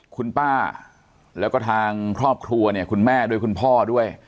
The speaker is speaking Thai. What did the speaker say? คุณป้าแล้วก็ทางครอบครัวคุณแม่และคุณพ่อด้วย